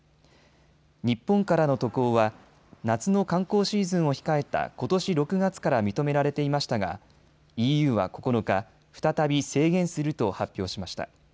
日本からの渡航は夏の観光シーズンを控えたことし６月から認められていましたがＥＵは９日、再び制限すると発表しました。